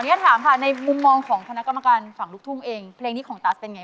อยากมีเพียงเธอกับจนเหมือนเคย